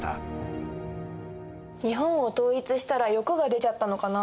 日本を統一したら欲が出ちゃったのかな？